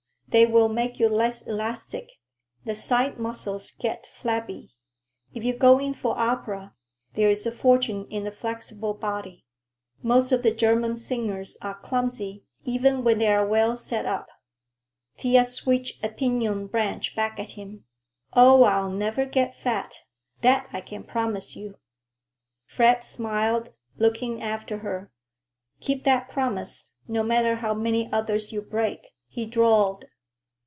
They will make you less elastic. The side muscles get flabby. If you go in for opera, there's a fortune in a flexible body. Most of the German singers are clumsy, even when they're well set up." Thea switched a piñon branch back at him. "Oh, I'll never get fat! That I can promise you." Fred smiled, looking after her. "Keep that promise, no matter how many others you break," he drawled.